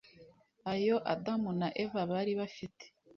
ayo adamu na eva bari bafite